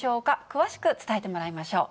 詳しく伝えてもらいましょう。